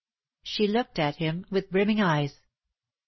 She looked at him with brimming eyes.